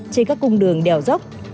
trên các cung đường đèo dốc